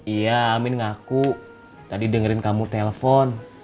iya amin ngaku tadi dengerin kamu telpon